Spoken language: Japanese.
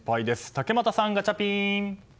竹俣さん、ガチャピン。